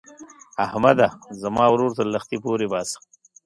احمده؛ زما ورور تر لښتي پورې باسه.